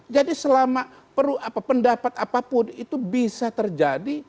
jadi selama pendapat apapun itu bisa terjadi